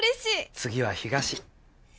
次は東。